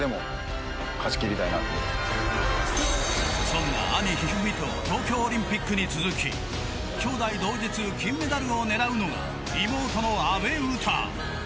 そんな阿部一二三と東京オリンピックに続ききょうだい同日の金メダルを狙うのは妹の阿部詩。